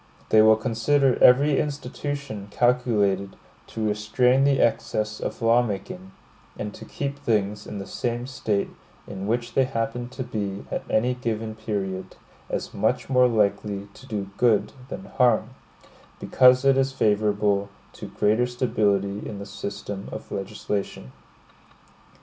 They will consider every institution calculated to restrain the excess of law making, and to keep things in the same state in which they happen to be at any given period, as much more likely to do good than harm; because it is favorable to greater stability in the system of legislation.